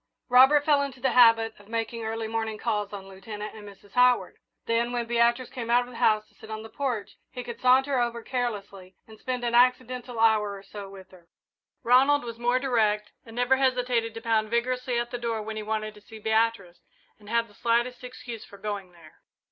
Robert fell into the habit of making early morning calls on Lieutenant and Mrs. Howard. Then, when Beatrice came out of the house to sit on the porch, he could saunter over carelessly and spend an accidental hour or so with her. Ronald was more direct and never hesitated to pound vigorously at the door when he wanted to see Beatrice and had the slightest excuse for going there.